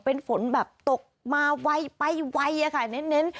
เป็นฝนแบบตกมาไวไปไวค่ะเน้น